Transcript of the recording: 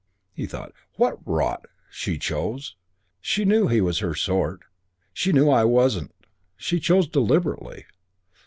He thought, "What rot! She chose. She knew he was her sort. She knew I wasn't. She chose deliberately...."